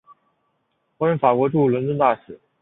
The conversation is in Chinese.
后任法国驻伦敦大使。